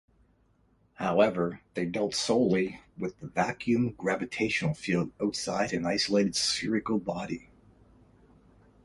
However, they dealt solely with the vacuum gravitational field outside an isolated spherical body.